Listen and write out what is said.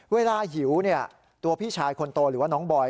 หิวตัวพี่ชายคนโตหรือว่าน้องบอย